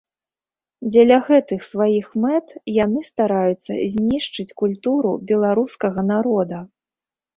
Дзеля гэтых сваіх мэт яны стараюцца знішчыць культуру беларускага народа.